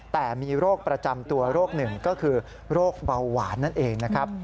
แต่มีโรคประจำตัวโรคหนึ่งก็คือโรคเบาหวานนั่นเองนะครับ